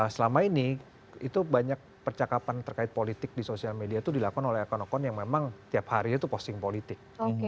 selama ini itu banyak percakapan terkait politik di sosial media itu dilakukan oleh akun akun yang memang tiap harinya itu posting politik